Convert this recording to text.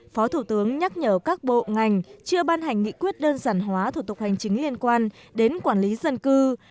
phó thủ tướng nhắc nhở các bộ ngành chưa ban hành nghị quyết đơn giản hóa thủ tục hành chính liên quan đến quản lý dân cư